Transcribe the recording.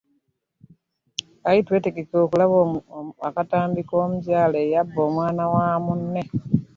Kakati twetegeke tulabe akatambi komukyala eyabba omwan wamunne.